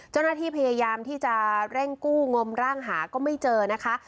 เจ้าหน้าที่พยายามที่จะเร่งกู้งมร่างหาก็ไม่เจอนะคะ